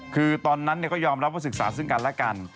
คือตอนนั้นก็ยอมรับว่าศึกษาซึ่งกันและกัน